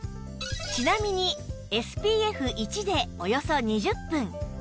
ちなみに ＳＰＦ１ でおよそ２０分